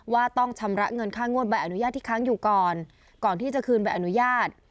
ว่าต้องชำระเงินค่างวดใบอนุญาตที่ค้างอยู่ก่อนก่อนที่จะคืนใบอนุญาต